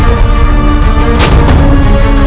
aku sudah tidak sabar